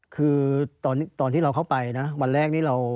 คือตอนที่เราเข้าไปนะวันแรกนี่เรา